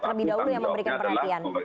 terlebih dahulu yang memberikan perhatian